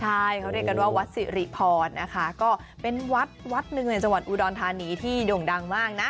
ใช่เขาเรียกกันว่าวัดสิริพรนะคะก็เป็นวัดวัดหนึ่งในจังหวัดอุดรธานีที่โด่งดังมากนะ